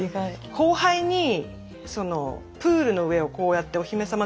後輩にプールの上をこうやってお姫様